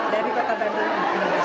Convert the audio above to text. dari kota bandung ke indonesia